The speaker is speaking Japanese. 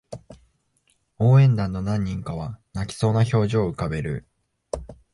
応援団の何人かは泣きそうな表情を浮かべる